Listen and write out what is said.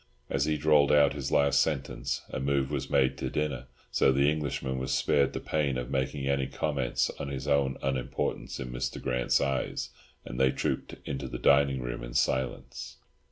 As he drawled out his last sentence, a move was made to dinner; so the Englishman was spared the pain of making any comments on his own unimportance in Mr. Grant's eyes, and they trooped into the dining room in silence.